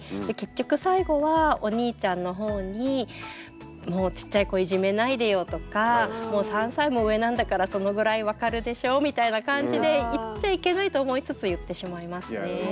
で結局最後はお兄ちゃんの方にもうちっちゃい子いじめないでよとかもう３歳も上なんだからそのぐらい分かるでしょみたいな感じで言っちゃいけないと思いつつ言ってしまいますね。